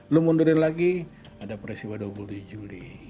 lo mundurin lagi ada peristiwa dua puluh tujuh juli